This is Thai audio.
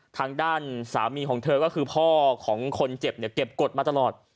ทางด้านสามีของเธอก็คือพ่อของคนเจ็บเนี่ยเก็บกฎมาตลอด